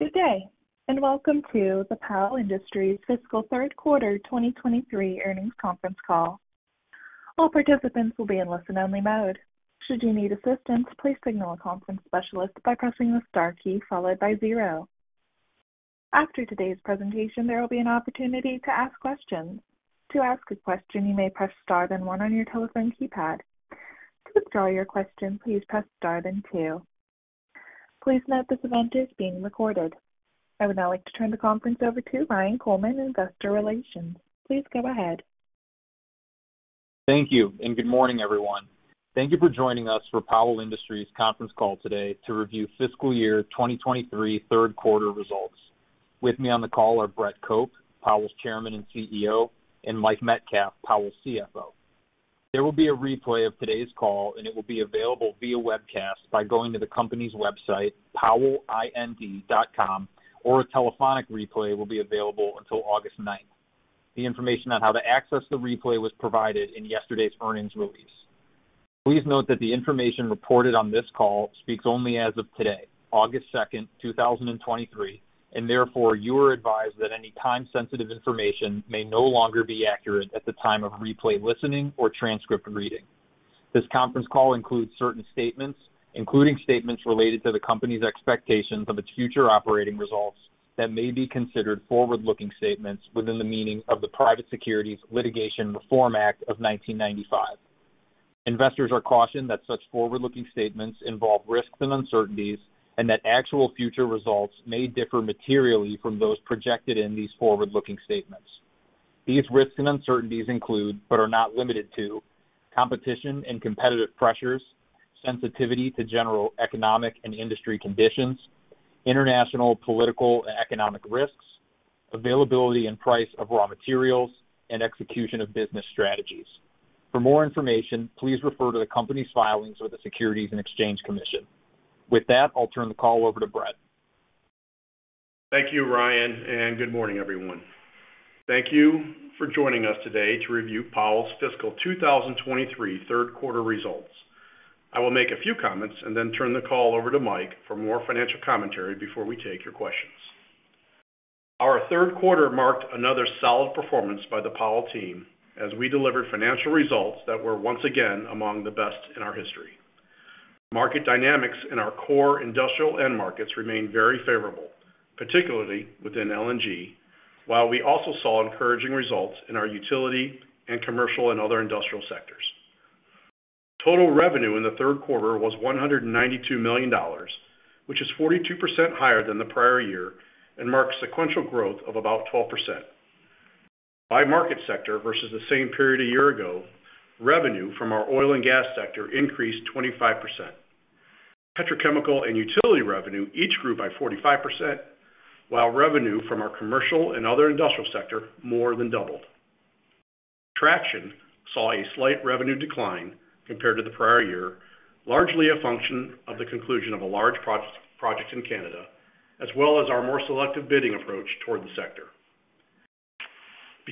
Good day, and welcome to the Powell Industries Fiscal Third Quarter 2023 Earnings Conference Call. All participants will be in listen-only mode. Should you need assistance, please signal a conference specialist by pressing the star key followed by zero. After today's presentation, there will be an opportunity to ask questions. To ask a question, you may press Star then one on your telephone keypad. To withdraw your question, please press Star, then two. Please note this event is being recorded. I would now like to turn the conference over to Ryan Coleman, Investor Relations. Please go ahead. Thank you, and good morning, everyone. Thank you for joining us for Powell Industries conference call today to review fiscal year 2023 third quarter results. With me on the call are Brett Cope, Powell's Chairman and CEO, and Mike Metcalf, Powell's CFO. There will be a replay of today's call, and it will be available via webcast by going to the company's website, powellind.com, or a telephonic replay will be available until August 9th. The information on how to access the replay was provided in yesterday's earnings release. Please note that the information reported on this call speaks only as of today, August 2nd, 2023, and therefore you are advised that any time-sensitive information may no longer be accurate at the time of replay, listening, or transcript reading. This conference call includes certain statements, including statements related to the company's expectations of its future operating results that may be considered forward-looking statements within the meaning of the Private Securities Litigation Reform Act of 1995. Investors are cautioned that such forward-looking statements involve risks and uncertainties, and that actual future results may differ materially from those projected in these forward-looking statements. These risks and uncertainties include, but are not limited to competition and competitive pressures, sensitivity to general economic and industry conditions, international, political, and economic risks, availability and price of raw materials, and execution of business strategies. For more information, please refer to the company's filings with the Securities and Exchange Commission. With that, I'll turn the call over to Brett. Thank you, Ryan. Good morning, everyone. Thank you for joining us today to review Powell's fiscal 2023 third quarter results. I will make a few comments and then turn the call over to Mike for more financial commentary before we take your questions. Our third quarter marked another solid performance by the Powell team as we delivered financial results that were once again among the best in our history. Market dynamics in our core industrial end markets remained very favorable, particularly within LNG, while we also saw encouraging results in our utility and commercial and other industrial sectors. Total revenue in the third quarter was $192 million, which is 42% higher than the prior year and marks sequential growth of about 12%. By market sector versus the same period a year ago, revenue from our oil and gas sector increased 25%. Petrochemical and utility revenue each grew by 45%, while revenue from our commercial and other industrial sector more than doubled. Traction saw a slight revenue decline compared to the prior year, largely a function of the conclusion of a large project in Canada, as well as our more selective bidding approach toward the sector.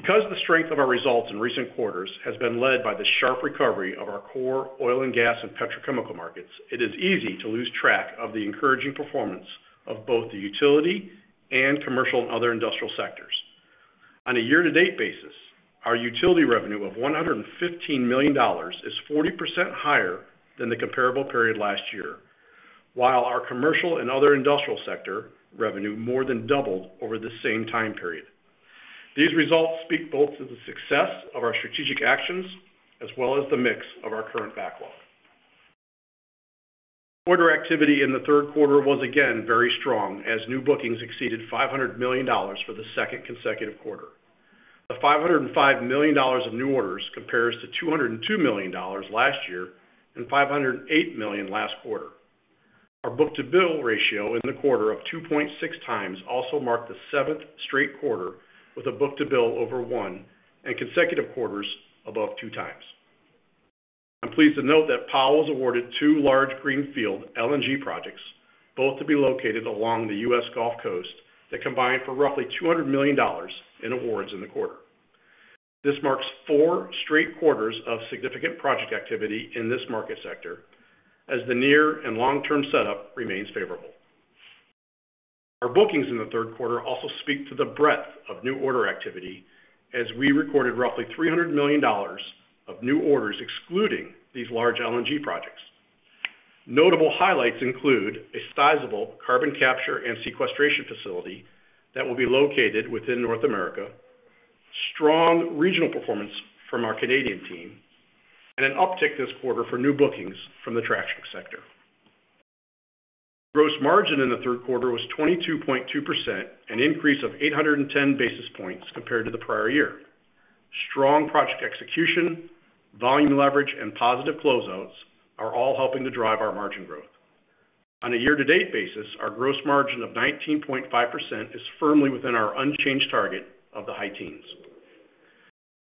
The strength of our results in recent quarters has been led by the sharp recovery of our core oil and gas and petrochemical markets, it is easy to lose track of the encouraging performance of both the utility and commercial and other industrial sectors. On a year-to-date basis, our utility revenue of $115 million is 40% higher than the comparable period last year, while our commercial and other industrial sector revenue more than doubled over the same time period. These results speak both to the success of our strategic actions as well as the mix of our current backlog. Order activity in the third quarter was again very strong as new bookings exceeded $500 million for the 2nd consecutive quarter. The $505 million of new orders compares to $202 million last year and $508 million last quarter. Our book-to-bill ratio in the quarter of 2.6 times also marked the 7th straight quarter with a book to bill over 1 and consecutive quarters above 2 times. I'm pleased to note that Powell was awarded two large greenfield LNG projects, both to be located along the U.S. Gulf Coast, that combined for roughly $200 million in awards in the quarter. This marks four straight quarters of significant project activity in this market sector, as the near and long-term setup remains favorable. Our bookings in the third quarter also speak to the breadth of new order activity, as we recorded roughly $300 million of new orders, excluding these large LNG projects. Notable highlights include a sizable carbon capture and sequestration facility that will be located within North America, strong regional performance from our Canadian team, and an uptick this quarter for new bookings from the traction sector. Gross margin in the third quarter was 22.2%, an increase of 810 basis points compared to the prior year. Strong project execution, volume leverage, and positive closeouts are all helping to drive our margin growth. On a year-to-date basis, our gross margin of 19.5% is firmly within our unchanged target of the high teens.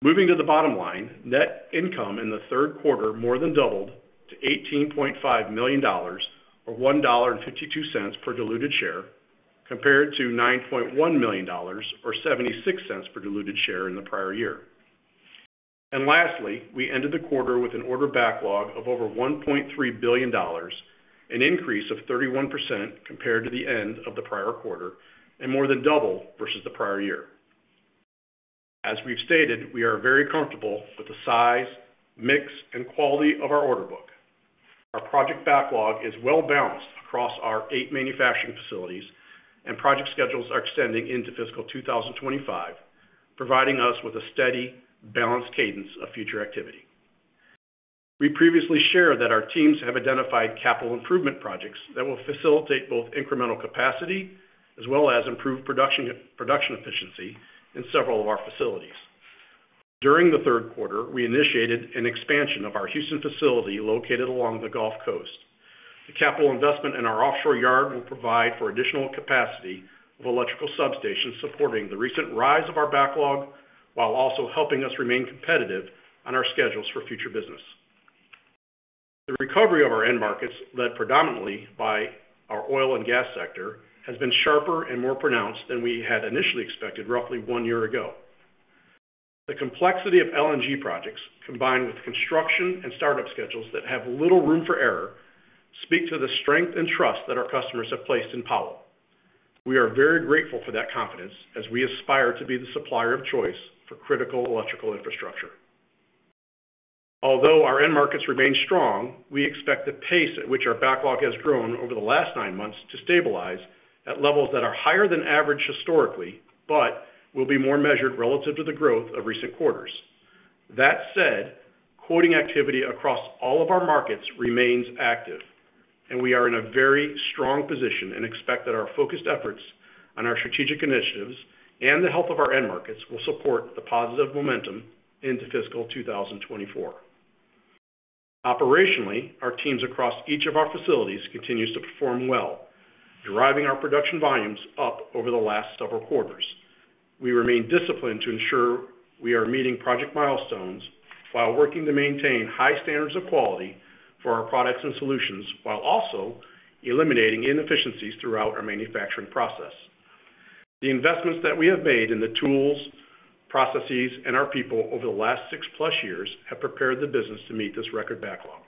Moving to the bottom line, net income in the third quarter more than doubled to $18.5 million, or $1.52 per diluted share, compared to $9.1 million, or $0.76 per diluted share in the prior year. Lastly, we ended the quarter with an order backlog of over $1.3 billion, an increase of 31% compared to the end of the prior quarter, and more than double versus the prior year. As we've stated, we are very comfortable with the size, mix, and quality of our order book. Our project backlog is well balanced across our eight manufacturing facilities, and project schedules are extending into fiscal 2025, providing us with a steady, balanced cadence of future activity. We previously shared that our teams have identified capital improvement projects that will facilitate both incremental capacity as well as improved production, production efficiency in several of our facilities. During the third quarter, we initiated an expansion of our Houston facility, located along the Gulf Coast. The capital investment in our offshore yard will provide for additional capacity of electrical substations, supporting the recent rise of our backlog, while also helping us remain competitive on our schedules for future business. The recovery of our end markets, led predominantly by our oil and gas sector, has been sharper and more pronounced than we had initially expected roughly one year ago. The complexity of LNG projects, combined with construction and startup schedules that have little room for error, speak to the strength and trust that our customers have placed in Powell. We are very grateful for that confidence as we aspire to be the supplier of choice for critical electrical infrastructure. Although our end markets remain strong, we expect the pace at which our backlog has grown over the last nine months to stabilize at levels that are higher than average historically, but will be more measured relative to the growth of recent quarters. That said, quoting activity across all of our markets remains active, and we are in a very strong position and expect that our focused efforts on our strategic initiatives and the health of our end markets will support the positive momentum into fiscal 2024. Operationally, our teams across each of our facilities continues to perform well, driving our production volumes up over the last several quarters. We remain disciplined to ensure we are meeting project milestones while working to maintain high standards of quality for our products and solutions, while also eliminating inefficiencies throughout our manufacturing process. The investments that we have made in the tools, processes, and our people over the last 6+ years have prepared the business to meet this record backlog.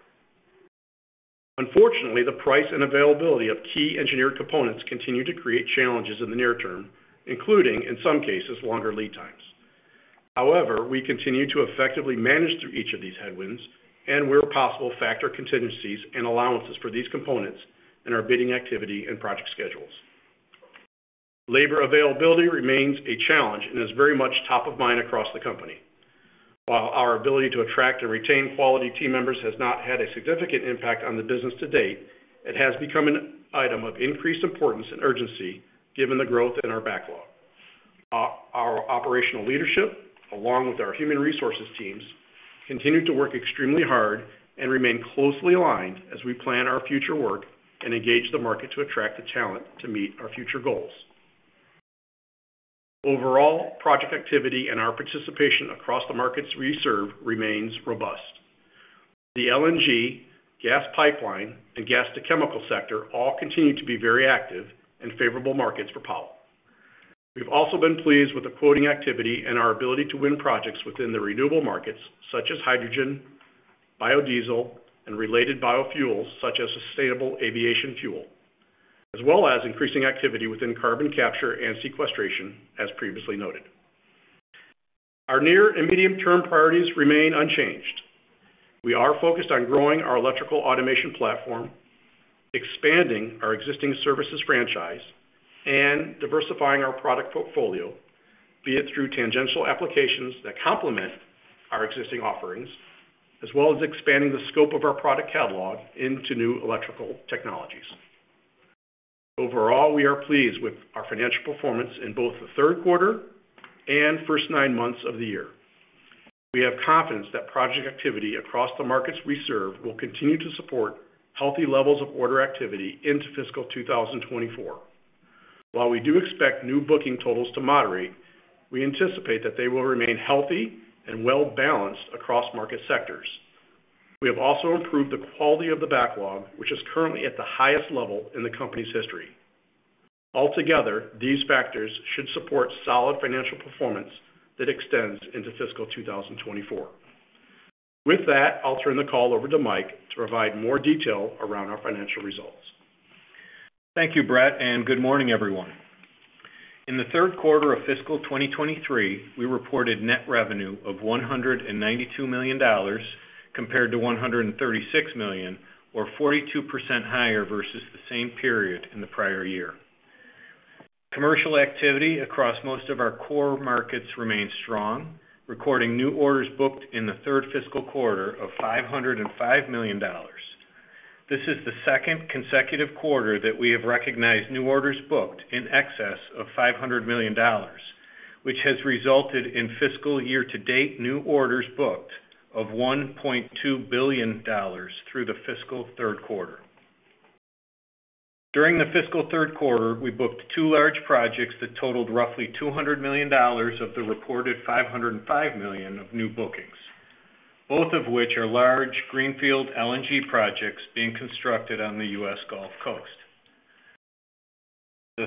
Unfortunately, the price and availability of key engineered components continue to create challenges in the near term, including, in some cases, longer lead times. We continue to effectively manage through each of these headwinds and, where possible, factor contingencies and allowances for these components in our bidding activity and project schedules. Labor availability remains a challenge and is very much top of mind across the company. While our ability to attract and retain quality team members has not had a significant impact on the business to date, it has become an item of increased importance and urgency given the growth in our backlog. Our operational leadership, along with our human resources teams, continue to work extremely hard and remain closely aligned as we plan our future work and engage the market to attract the talent to meet our future goals. Overall, project activity and our participation across the markets we serve remains robust. The LNG, gas pipeline, and gas to chemical sector all continue to be very active and favorable markets for Powell. We've also been pleased with the quoting activity and our ability to win projects within the renewable markets, such as hydrogen, biodiesel, and related biofuels, such as sustainable aviation fuel, as well as increasing activity within carbon capture and sequestration, as previously noted. Our near and medium-term priorities remain unchanged. We are focused on growing our electrical automation platform, expanding our existing services franchise, and diversifying our product portfolio, be it through tangential applications that complement our existing offerings, as well as expanding the scope of our product catalog into new electrical technologies. Overall, we are pleased with our financial performance in both the third quarter and first nine months of the year. We have confidence that project activity across the markets we serve will continue to support healthy levels of order activity into fiscal 2024. While we do expect new booking totals to moderate, we anticipate that they will remain healthy and well-balanced across market sectors. We have also improved the quality of the backlog, which is currently at the highest level in the company's history. Altogether, these factors should support solid financial performance that extends into fiscal 2024. With that, I'll turn the call over to Mike to provide more detail around our financial results. Thank you, Brett, and good morning, everyone. In the third quarter of fiscal 2023, we reported net revenue of $192 million, compared to $136 million, or 42% higher versus the same period in the prior year. Commercial activity across most of our core markets remained strong, recording new orders booked in the third fiscal quarter of $505 million. This is the second consecutive quarter that we have recognized new orders booked in excess of $500 million, which has resulted in fiscal year to date new orders booked of $1.2 billion through the fiscal third quarter. During the Fiscal Third Quarter, we booked two large projects that totaled roughly $200 million of the reported $505 million of new bookings, both of which are large greenfield LNG projects being constructed on the U.S. Gulf Coast. The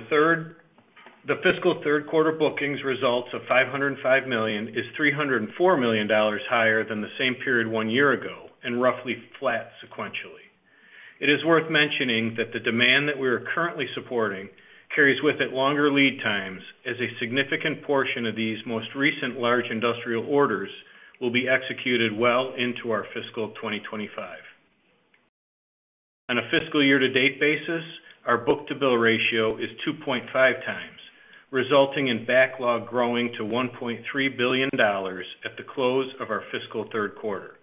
Fiscal Third Quarter bookings results of $505 million is $304 million higher than the same period one year ago, and roughly flat sequentially. It is worth mentioning that the demand that we are currently supporting carries with it longer lead times, as a significant portion of these most recent large industrial orders will be executed well into our fiscal 2025. On a fiscal year-to-date basis, our book-to-bill ratio is 2.5 times, resulting in backlog growing to $1.3 billion at the close of our Fiscal Third Quarter.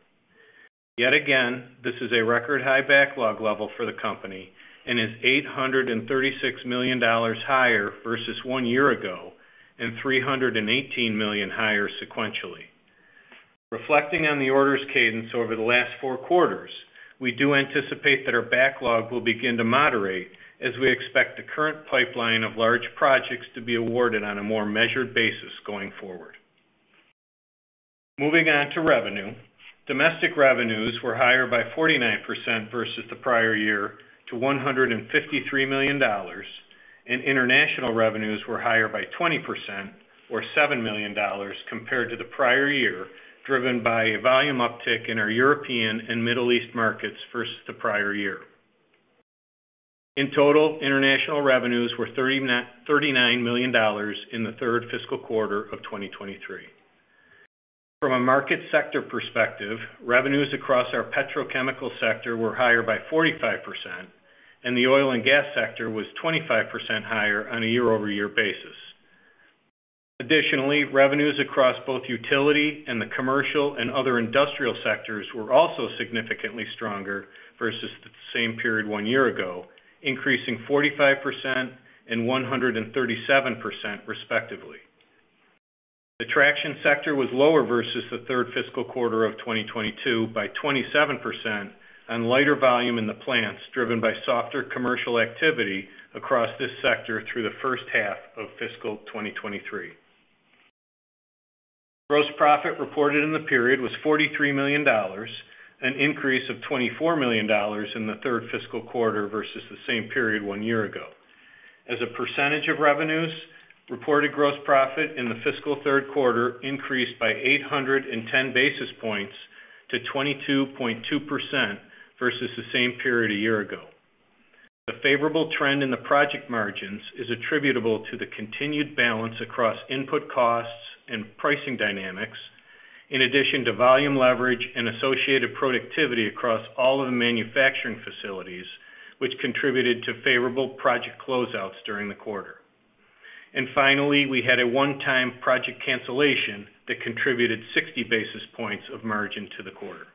Yet again, this is a record high backlog level for the company and is $836 million higher versus one year ago, and $318 million higher sequentially. Reflecting on the orders cadence over the last four quarters, we do anticipate that our backlog will begin to moderate as we expect the current pipeline of large projects to be awarded on a more measured basis going forward. Moving on to revenue. Domestic revenues were higher by 49% versus the prior year to $153 million, and international revenues were higher by 20% or $7 million compared to the prior year, driven by a volume uptick in our European and Middle East markets versus the prior year. In total, international revenues were $39 million in the third fiscal quarter of 2023. A market sector perspective, revenues across our petrochemical sector were higher by 45%, and the oil and gas sector was 25% higher on a year-over-year basis. Additionally, revenues across both utility and the commercial and other industrial sectors were also significantly stronger versus the same period one year ago, increasing 45% and 137% respectively. The traction sector was lower versus the third fiscal quarter of 2022 by 27% on lighter volume in the plants, driven by softer commercial activity across this sector through the first half of fiscal 2023. Gross profit reported in the period was $43 million, an increase of $24 million in the third fiscal quarter versus the same period one year ago. As a percentage of revenues, reported gross profit in the fiscal third quarter increased by 810 basis points to 22.2% versus the same period a year ago. The favorable trend in the project margins is attributable to the continued balance across input costs and pricing dynamics, in addition to volume leverage and associated productivity across all of the manufacturing facilities, which contributed to favorable project closeouts during the quarter. Finally, we had a one-time project cancellation that contributed 60 basis points of margin to the quarter.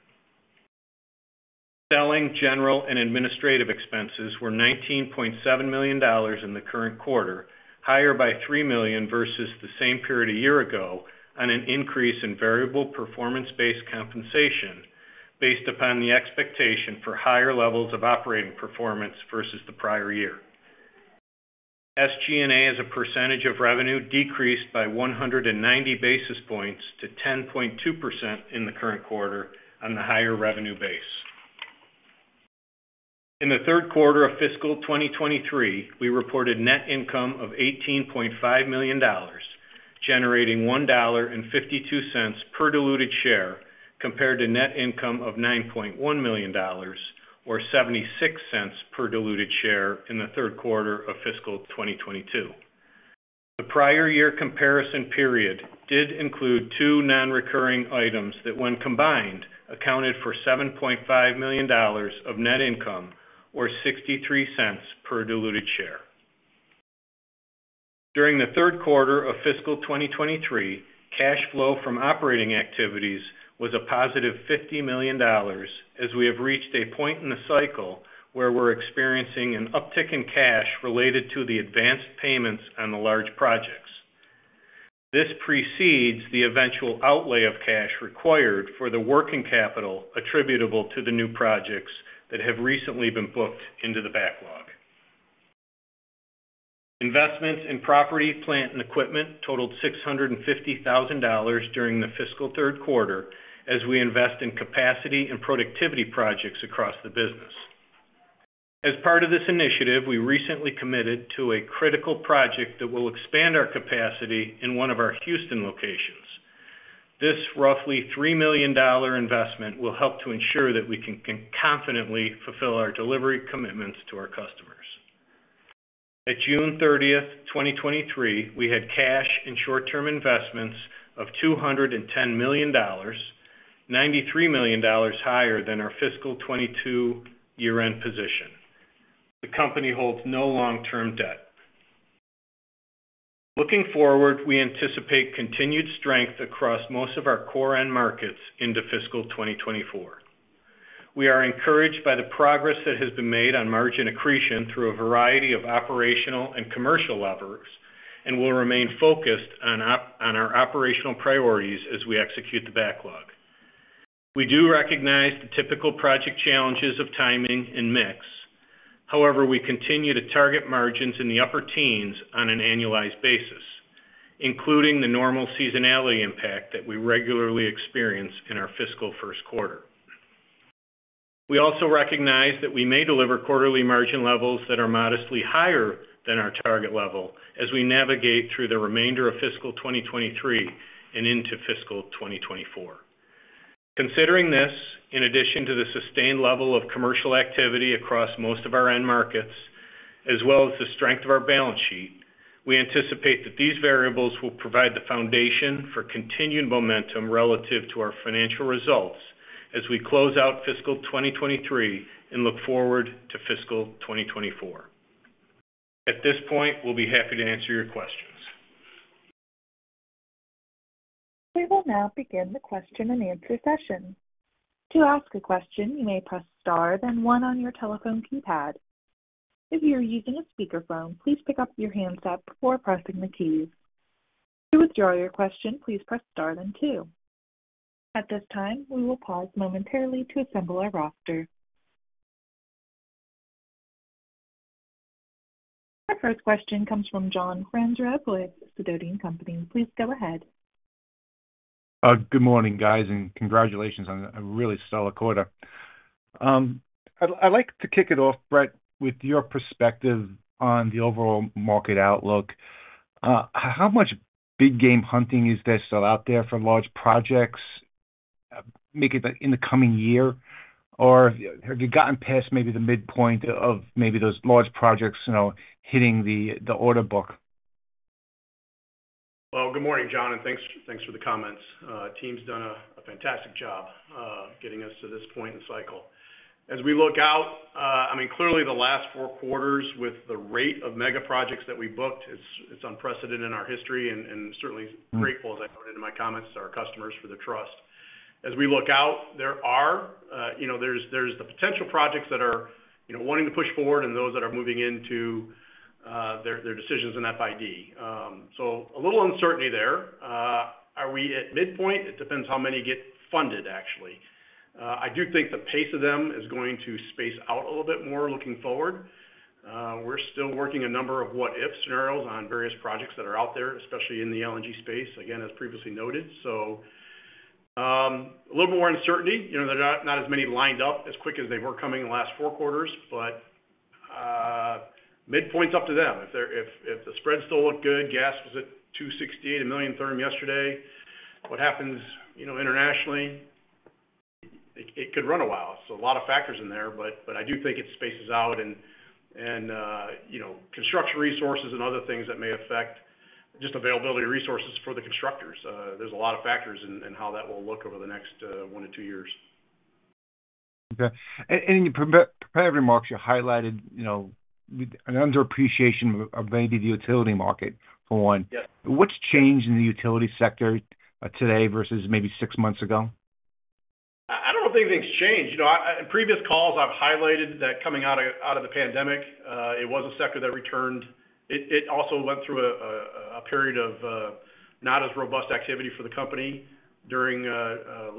Selling, general, and administrative expenses were $19.7 million in the current quarter, higher by $3 million versus the same period a year ago, on an increase in variable performance-based compensation based upon the expectation for higher levels of operating performance versus the prior year. SG&A, as a percentage of revenue, decreased by 190 basis points to 10.2% in the current quarter on the higher revenue base. In the third quarter of fiscal 2023, we reported net income of $18.5 million, generating $1.52 per diluted share, compared to net income of $9.1 million, or $0.76 per diluted share in the third quarter of fiscal 2022. The prior year comparison period did include two non-recurring items that, when combined, accounted for $7.5 million of net income or $0.63 per diluted share. During the third quarter of fiscal 2023, cash flow from operating activities was a positive $50 million, as we have reached a point in the cycle where we're experiencing an uptick in cash related to the advanced payments on the large projects. This precedes the eventual outlay of cash required for the working capital attributable to the new projects that have recently been booked into the backlog. Investments in property, plant, and equipment totaled $650,000 during the fiscal third quarter, as we invest in capacity and productivity projects across the business. As part of this initiative, we recently committed to a critical project that will expand our capacity in one of our Houston locations. This roughly $3 million investment will help to ensure that we can confidently fulfill our delivery commitments to our customers. At June thirtieth, 2023, we had cash and short-term investments of $210 million, $93 million higher than our fiscal 2022 year-end position. The company holds no long-term debt. Looking forward, we anticipate continued strength across most of our core end markets into fiscal 2024. We are encouraged by the progress that has been made on margin accretion through a variety of operational and commercial levers, will remain focused on our operational priorities as we execute the backlog. We do recognize the typical project challenges of timing and mix. However, we continue to target margins in the upper teens on an annualized basis, including the normal seasonality impact that we regularly experience in our fiscal first quarter. We also recognize that we may deliver quarterly margin levels that are modestly higher than our target level as we navigate through the remainder of fiscal 2023 and into fiscal 2024. Considering this, in addition to the sustained level of commercial activity across most of our end markets, as well as the strength of our balance sheet, we anticipate that these variables will provide the foundation for continued momentum relative to our financial results as we close out fiscal 2023 and look forward to fiscal 2024. At this point, we'll be happy to answer your questions. We will now begin the question-and-answer session. To ask a question, you may press Star, then 1 on your telephone keypad. If you are using a speakerphone, please pick up your handset before pressing the keys. To withdraw your question, please press Star then 2. At this time, we will pause momentarily to assemble our roster. Our first question comes from John Franzreb with Sidoti & Company. Please go ahead. Good morning, guys, and congratulations on a really solid quarter. I'd like to kick it off, Brett, with your perspective on the overall market outlook. How much big game hunting is there still out there for large projects, maybe, like, in the coming year? Have you gotten past maybe the midpoint of maybe those large projects, you know, hitting the order book? Well, good morning, John, and thanks, thanks for the comments. Team's done a fantastic job getting us to this point in the cycle. As we look out, I mean, clearly, the last 4 quarters, with the rate of mega projects that we booked, it's, it's unprecedented in our history, and, and certainly grateful, as I noted in my comments, to our customers for their trust. As we look out, there are, you know, there's, there's the potential projects that are, you know, wanting to push forward and those that are moving into their, their decisions in FID. A little uncertainty there. Are we at midpoint? It depends how many get funded, actually. I do think the pace of them is going to space out a little bit more looking forward. We're still working a number of what-if scenarios on various projects that are out there, especially in the LNG space, again, as previously noted. A little more uncertainty. You know, there are not, not as many lined up as quick as they were coming in the last four quarters, midpoint's up to them. If the spreads still look good, gas was at $2.68 a million therm yesterday. What happens, you know, internationally? It could run a while. A lot of factors in there, I do think it spaces out and, you know, construction resources and other things that may affect just availability of resources for the constructors. There's a lot of factors in, in how that will look over the next one to two years. Okay. In your pre- prepared remarks, you highlighted, you know, an underappreciation of maybe the utility market for one. Yes. What's changed in the utility sector, today versus maybe six months ago? I don't think things changed. You know, I, in previous calls, I've highlighted that coming out of, out of the pandemic, it was a sector that returned. It, it also went through a period of not as robust activity for the company during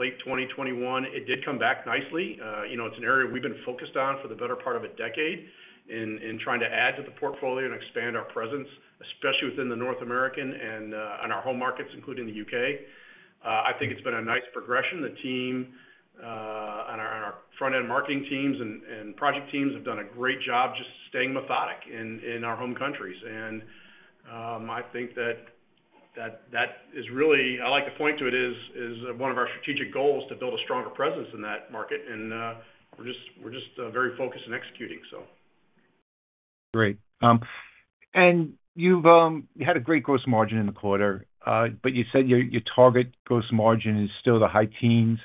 late 2021. It did come back nicely. You know, it's an area we've been focused on for the better part of a decade in, in trying to add to the portfolio and expand our presence, especially within the North American and on our home markets, including the U.K. I think it's been a nice progression. The team on our, on our front-end marketing teams and, and project teams have done a great job just staying methodic in, in our home countries. I think that, that, that is really... I like to point to it as, as one of our strategic goals, to build a stronger presence in that market. We're just, we're just, very focused on executing, so. Great. You've, you had a great gross margin in the quarter, but you said your, your target gross margin is still the high teens.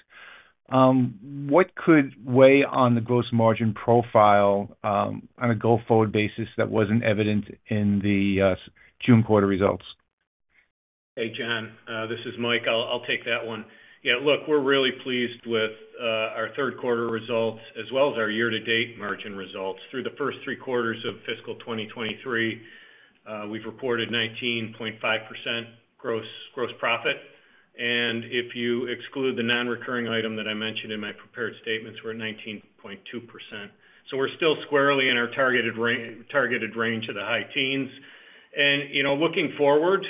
What could weigh on the gross margin profile, on a go-forward basis that wasn't evident in the June Quarter Results? Hey, John, this is Mike. I'll, I'll take that one. Yeah, look, we're really pleased with our third quarter results as well as our year-to-date margin results. Through the first three quarters of fiscal 2023, we've reported 19.5% gross, gross profit. If you exclude the non-recurring item that I mentioned in my prepared statements, we're at 19.2%. We're still squarely in our targeted range of the high teens. You know, looking forward,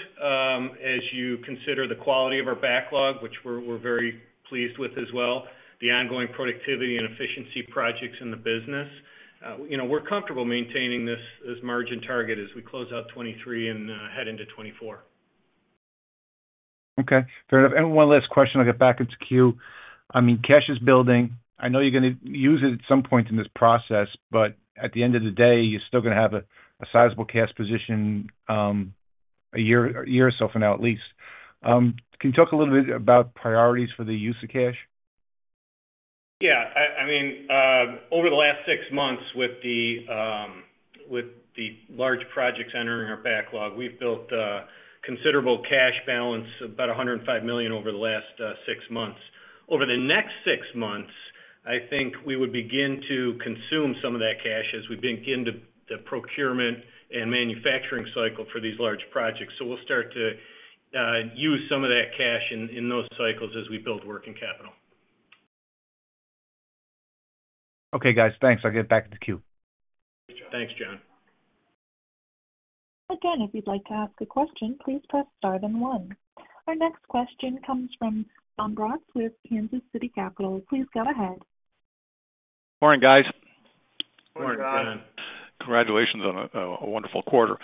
as you consider the quality of our backlog, which we're, we're very pleased with as well, the ongoing productivity and efficiency projects in the business, you know, we're comfortable maintaining this, this margin target as we close out 2023 and head into 2024. Okay. Fair enough. One last question, I'll get back into queue. I mean, cash is building. I know you're gonna use it at some point in this process, but at the end of the day, you're still gonna have a sizable cash position, a year or so from now at least. Can you talk a little bit about priorities for the use of cash? Yeah. I, I mean, over the last six months, with the, with the large projects entering our backlog, we've built a considerable cash balance, about $105 million over the last six months. Over the next six months, I think we would begin to consume some of that cash as we begin the, the procurement and manufacturing cycle for these large projects. We'll start to use some of that cash in, in those cycles as we build working capital. Okay, guys. Thanks. I'll get back in the queue. Thanks, John. If you'd like to ask a question, please press star then one. Our next question comes from Jon Braatz with Kansas City Capital. Please go ahead. Morning, guys. Morning, John. Congratulations on a, a wonderful quarter.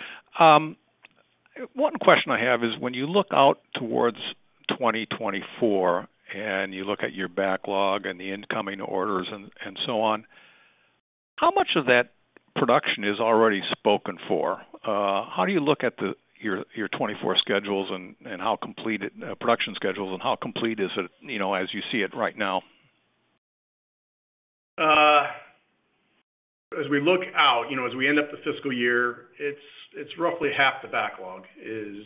One question I have is, when you look out towards 2024, and you look at your backlog and the incoming orders and, and so on, how much of that production is already spoken for? How do you look at the, your, your 2024 schedules and, and how complete it, production schedules and how complete is it, you know, as you see it right now? As we look out, you know, as we end up the fiscal year, it's, it's roughly half the backlog is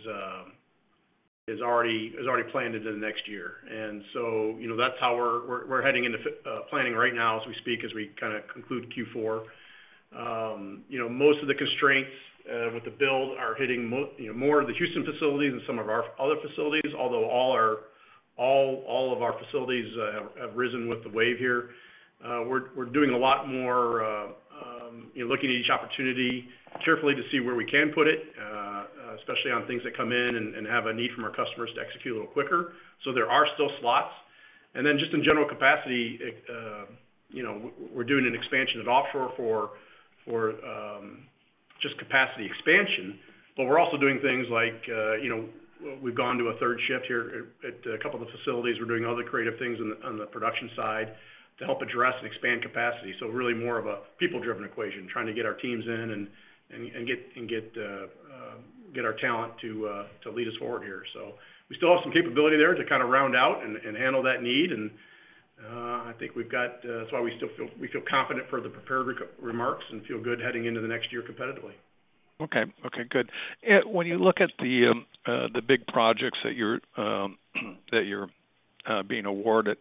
already, is already planned into the next year. You know, that's how we're, we're, we're heading into planning right now as we speak, as we kind of conclude Q4. You know, most of the constraints with the build are hitting, you know, more of the Houston facilities than some of our other facilities, although all our, all, all of our facilities have, have risen with the wave here. We're, we're doing a lot more, you know, looking at each opportunity carefully to see where we can put it, especially on things that come in and, and have a need from our customers to execute a little quicker. There are still slots. Just in general capacity, it, you know, we're doing an expansion at offshore for, for just capacity expansion. We're also doing things like, you know, we've gone to a third shift here at, at a couple of the facilities. We're doing other creative things on the, on the production side to help address and expand capacity. Really more of a people-driven equation, trying to get our teams in and, and, and get, and get, get our talent to lead us forward here. We still have some capability there to kind of round out and, and handle that need. I think we've got. That's why we still feel, we feel confident for the prepared remarks and feel good heading into the next year competitively. Okay. Okay, good. When you look at the big projects that you're that you're being awarded,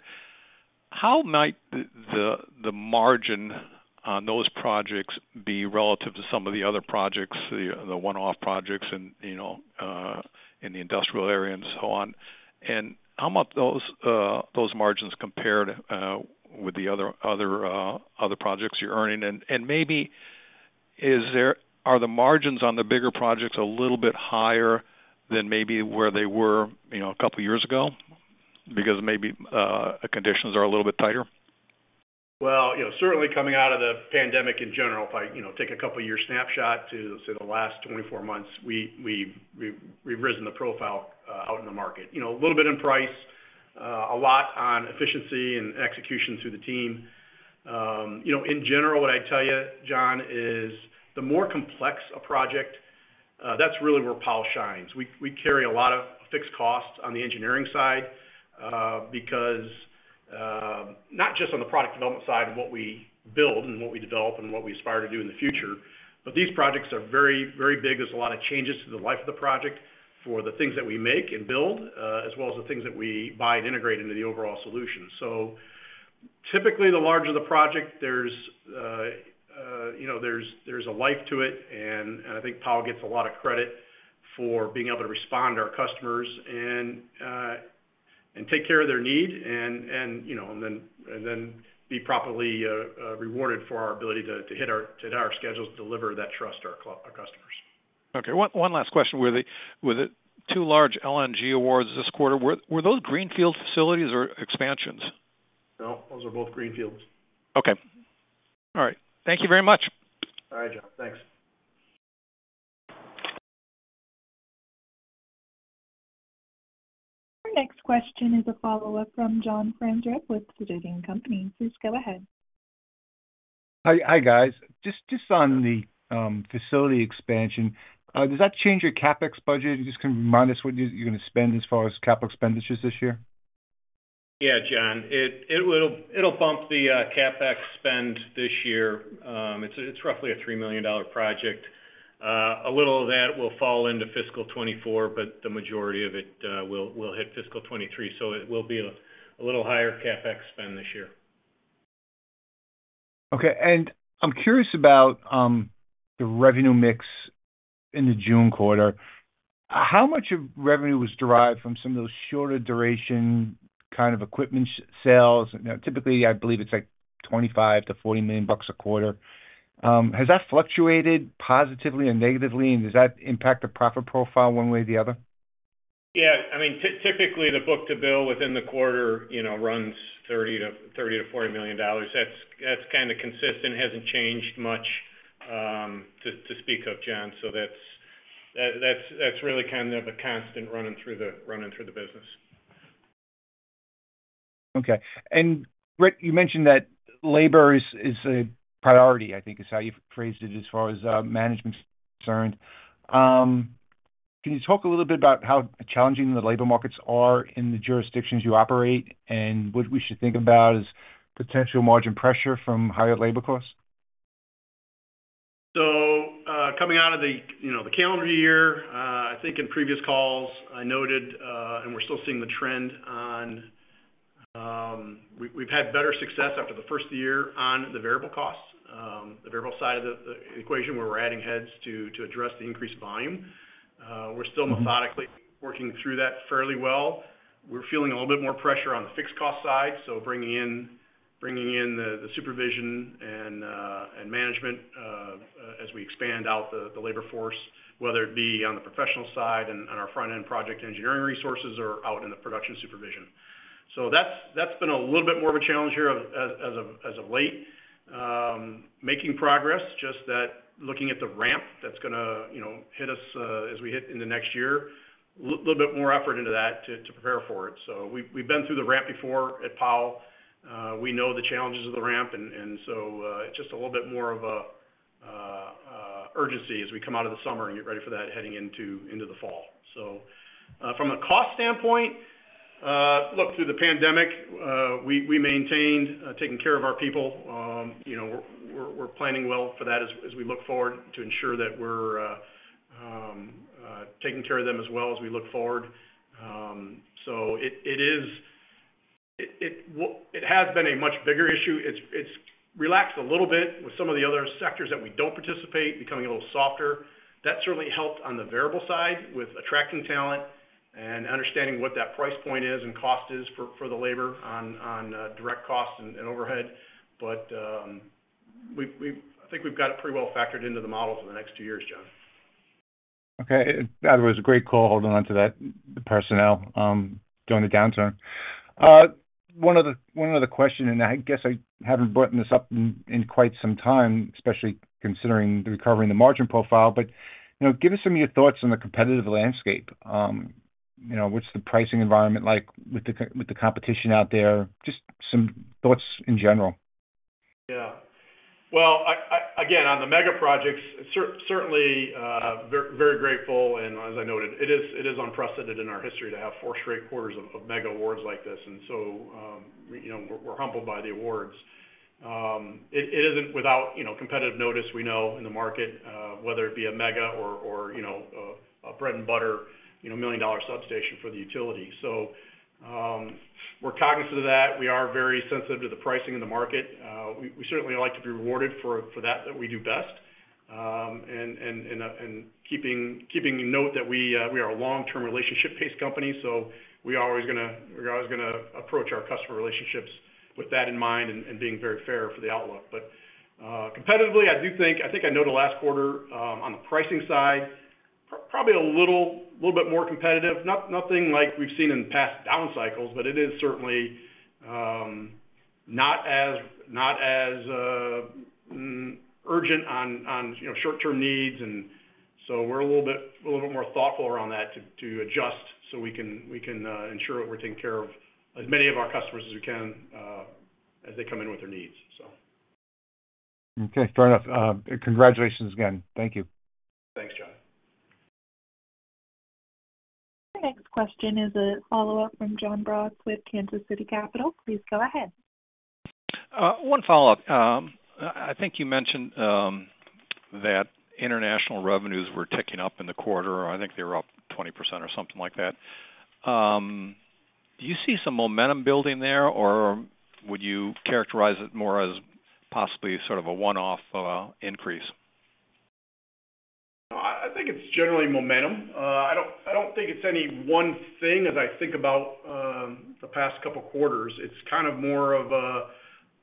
how might the the the margin on those projects be relative to some of the other projects, the the one-off projects and, you know, in the industrial area and so on? How might those those margins compare to with the other, other, other projects you're earning? And maybe are the margins on the bigger projects a little bit higher than maybe where they were, you know, a couple of years ago? Because maybe conditions are a little bit tighter. Well, you know, certainly coming out of the pandemic in general, if I, you know, take a couple of year snapshot to, say, the last 24 months, we've risen the profile out in the market. You know, a little bit in price, a lot on efficiency and execution through the team. You know, in general, what I'd tell you, John, is the more complex a project, that's really where Powell shines. We carry a lot of fixed costs on the engineering side, because not just on the product development side of what we build and what we develop and what we aspire to do in the future, but these projects are very, very big. There's a lot of changes to the life of the project for the things that we make and build, as well as the things that we buy and integrate into the overall solution. Typically, the larger the project, there's, you know, there's, there's a life to it, and, and I think Powell gets a lot of credit for being able to respond to our customers and, and take care of their need and, and, you know, and then, and then be properly, rewarded for our ability to, to hit our, to hit our schedules, deliver that trust to our customers. Okay, one, one last question. With the, with the two large LNG awards this quarter, were, were those greenfield facilities or expansions? No, those are both greenfields. Okay. All right. Thank you very much. All right, John. Thanks. Our next question is a follow-up from John Franzreb with Sidoti & Company. Please go ahead. Hi, hi, guys. Just on the facility expansion, does that change your CapEx budget? You can just remind us what you're going to spend as far as capital expenditures this year. Yeah, John, it'll bump the CapEx spend this year. It's, it's roughly a $3 million project. A little of that will fall into fiscal 2024, but the majority of it will, will hit fiscal 2023, so it will be a, a little higher CapEx spend this year. I'm curious about, the revenue mix in the June quarter. How much of revenue was derived from some of those shorter duration kind of equipment s- sales? You know, typically, I believe it's like $25 million-$40 million a quarter. Has that fluctuated positively or negatively, and does that impact the profit profile one way or the other? Yeah. I mean, typically, the book to bill within the quarter, you know, runs $30 million-$40 million. That's, that's kind of consistent. Hasn't changed much to speak of, John. That's, that's really kind of a constant running through the business. Okay. Rick, you mentioned that labor is, is a priority, I think is how you phrased it as far as management is concerned. Can you talk a little bit about how challenging the labor markets are in the jurisdictions you operate and what we should think about as potential margin pressure from higher labor costs? Coming out of the, you know, the calendar year, I think in previous calls I noted, and we're still seeing the trend on. We've had better success after the first year on the variable costs, the variable side of the, the equation, where we're adding heads to, to address the increased volume. We're still methodically working through that fairly well. We're feeling a little bit more pressure on the fixed cost side, so bringing in the, the supervision and management, as we expand out the, the labor force, whether it be on the professional side and on our front-end project engineering resources or out in the production supervision. That's, that's been a little bit more of a challenge here of, as of, as of late. Making progress, just that looking at the ramp that's gonna, you know, hit us, as we hit in the next year, a little bit more effort into that to, to prepare for it. We've, we've been through the ramp before at Powell. We know the challenges of the ramp, and, and so, it's just a little bit more of a urgency as we come out of the summer and get ready for that heading into, into the fall. From a cost standpoint, look, through the pandemic, we, we maintained, taking care of our people. You know, we're, we're planning well for that as, as we look forward to ensure that we're, taking care of them as well as we look forward. it has been a much bigger issue. It's, it's relaxed a little bit with some of the other sectors that we don't participate, becoming a little softer. That certainly helped on the variable side with attracting talent and understanding what that price point is and cost is for, for the labor on, on direct costs and, and overhead. We've, we've... I think we've got it pretty well factored into the models for the next 2 years, John. Okay. That was a great call, holding on to that, the personnel, during the downturn. One other, one other question, I guess I haven't brought this up in, in quite some time, especially considering the recovery in the margin profile. You know, give us some of your thoughts on the competitive landscape. You know, what's the pricing environment like with the competition out there? Just some thoughts in general. Yeah. Well, I again, on the mega projects, certainly, very, very grateful. As I noted, it is unprecedented in our history to have four straight quarters of mega awards like this. So, you know, we're humbled by the awards. It isn't without, you know, competitive notice, we know in the market, whether it be a mega or, or, you know, a bread-and-butter, you know, $1 million substation for the utility. So, we're cognizant of that. We are very sensitive to the pricing in the market. We, we certainly like to be rewarded for that, that we do best. Keeping a note that we are a long-term relationship-paced company, so we are always gonna, we're always gonna approach our customer relationships with that in mind and being very fair for the outlook. Competitively, I do think I know the last quarter on the pricing side, probably a little bit more competitive. Nothing like we've seen in the past down cycles, but it is certainly not as urgent on, you know, short-term needs. We're a little bit more thoughtful around that to adjust so we can ensure that we're taking care of as many of our customers as we can as they come in with their needs. Okay, fair enough. Congratulations again. Thank you. Thanks, John. The next question is a follow-up from Jon Braatz with Kansas City Capital. Please go ahead. One follow-up. I, I think you mentioned that international revenues were ticking up in the quarter, or I think they were up 20% or something like that. Do you see some momentum building there, or would you characterize it more as possibly sort of a one-off increase? I, I think it's generally momentum. I don't, I don't think it's any one thing as I think about the past couple quarters. It's kind of more of a,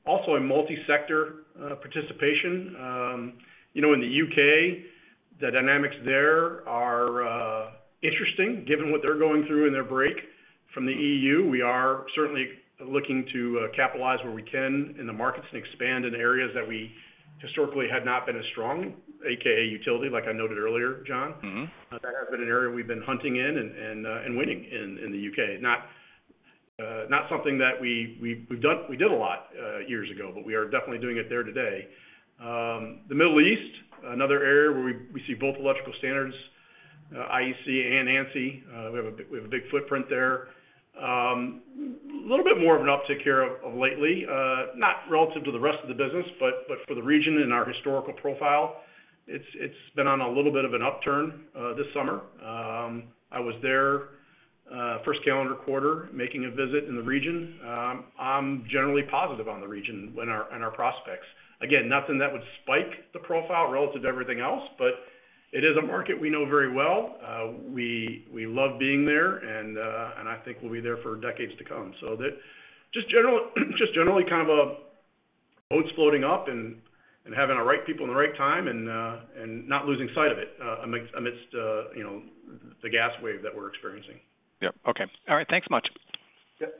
also a multi-sector participation. You know, in the U.K., the dynamics there are interesting, given what they're going through in their break from the EU. We are certainly looking to capitalize where we can in the markets and expand in areas that we historically have not been as strong, AKA utility, like I noted earlier, John. Mm-hmm. That has been an area we've been hunting in and winning in, in the U.K. Not something that we, we've done-- we did a lot, years ago, but we are definitely doing it there today. The Middle East, another area where we, we see both electrical standards, IEC and ANSI. We have a big, we have a big footprint there. little bit more of an uptick here of lately, not relative to the rest of the business, but, but for the region and our historical profile, it's, it's been on a little bit of an upturn, this summer. I was there, first calendar quarter, making a visit in the region. I'm generally positive on the region and our, and our prospects. Again, nothing that would spike the profile relative to everything else, but it is a market we know very well. We, we love being there, and I think we'll be there for decades to come. That just generally kind of, boats floating up and, and having the right people in the right time and not losing sight of it, amidst, amidst, you know, the gas wave that we're experiencing. Yep. Okay. All right. Thanks so much. Yep.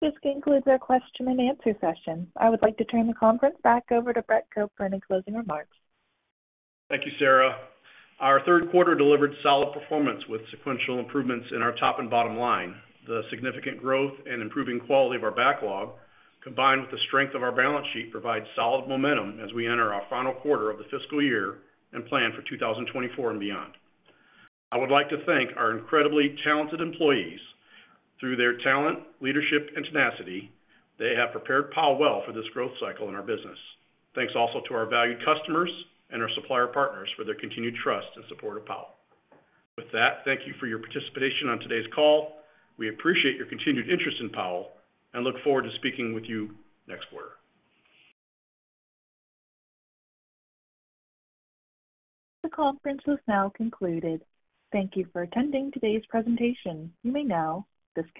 This concludes our question and answer session. I would like to turn the conference back over to Brett Cope for closing remarks. Thank you, Sarah. Our third quarter delivered solid performance with sequential improvements in our top and bottom line. The significant growth and improving quality of our backlog, combined with the strength of our balance sheet, provides solid momentum as we enter our final quarter of the fiscal year and plan for 2024 and beyond. I would like to thank our incredibly talented employees. Through their talent, leadership, and tenacity, they have prepared Powell well for this growth cycle in our business. Thanks also to our valued customers and our supplier partners for their continued trust and support of Powell. With that, thank you for your participation on today's call. We appreciate your continued interest in Powell, and look forward to speaking with you next quarter. The conference is now concluded. Thank you for attending today's presentation. You may now disconnect.